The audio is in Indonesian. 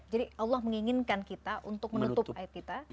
jadi allah menginginkan kita untuk menutup aib kita